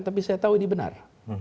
tapi saya tahu ini benar